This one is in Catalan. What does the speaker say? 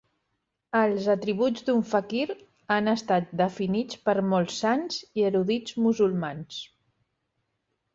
Els atributs d'un faquir han estat definits per molts sants i erudits musulmans.